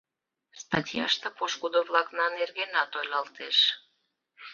Статьяште пошкудо-влакна нергенат ойлалтеш.